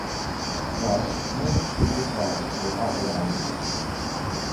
Thus, no secret laws were authorized.